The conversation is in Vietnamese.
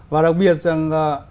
và đặc biệt rằng